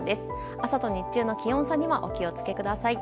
朝と日中の気温差にはお気を付けください。